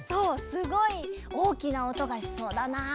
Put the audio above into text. すごいおおきなおとがしそうだなあ。